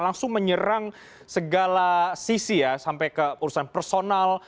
langsung menyerang segala sisi ya sampai ke urusan personal